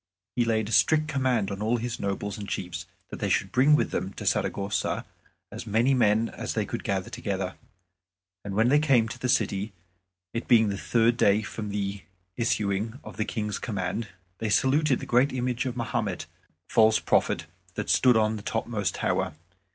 He laid a strict command on all his nobles and chiefs that they should bring with them to Saragossa as many men as they could gather together. And when they were come to the city, it being the third day from the issuing of the King's command, they saluted the great image of Mahomet, the false prophet, that stood on the topmost tower.